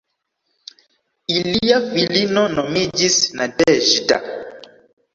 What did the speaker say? Ilia filino nomiĝis "Nadeĵda".